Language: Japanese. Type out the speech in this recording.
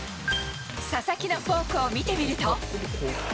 佐々木のフォークを見てみると。